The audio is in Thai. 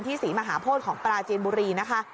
ที่ศรีมหาโภตของปลาเจียนบุรีนะคะ